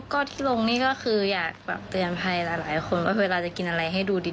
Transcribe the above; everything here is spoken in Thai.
ก็ที่ลงนี่ก็คืออยากฝากเตือนภัยหลายคนว่าเวลาจะกินอะไรให้ดูดี